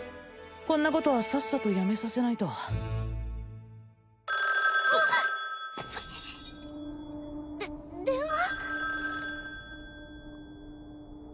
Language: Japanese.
こんなことはさっさとやめさせないとで電話！？